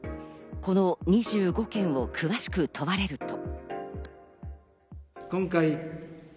この２５件を詳しく問われると。